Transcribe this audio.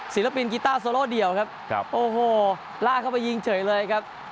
ศิลปินกีต้าโซโลเดียวครับโอ้โหลากเข้าไปยิงเฉยเลยครับ